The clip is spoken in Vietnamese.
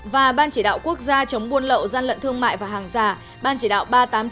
và ban chỉ đạo quốc gia chống buôn lậu gian lận thương mại và hàng giả ban chỉ đạo ba trăm tám mươi chín